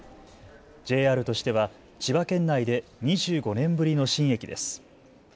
ＪＲとしては千葉県内で２５年ぶりの新駅です。